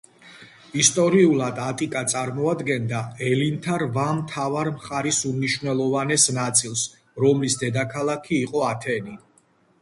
ისტორიულად ატიკა წარმოადგენდა ელინთა რვა მთავარ მხარის უმნიშვნელოვანეს ნაწილს, რომლის დედაქალაქი იყო ათენი.